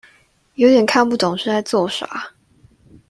有點看不懂是在做啥